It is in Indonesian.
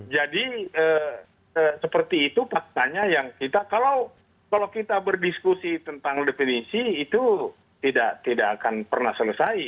jadi seperti itu faktanya yang kita kalau kita berdiskusi tentang definisi itu tidak akan pernah selesai